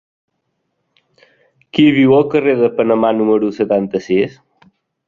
Qui viu al carrer de Panamà número setanta-sis?